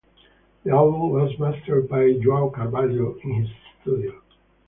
The album was mastered by Joao Carvalho in his studio.